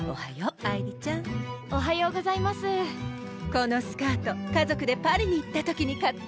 このスカート家族でパリに行った時に買ったの。